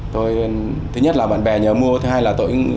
tôi thứ nhất là bạn bè nhớ mua thứ hai là tôi